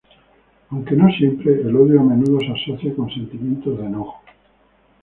Aunque no siempre, el odio a menudo se asocia con sentimientos de enojo.